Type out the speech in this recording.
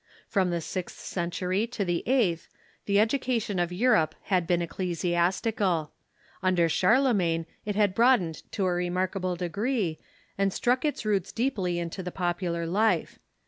From the sixth century to the eighth the education of Europe had been ecclesiastical. Under Charlemagne it had broad ened to a remarkable degree, and struck its roots deeply into the popular life.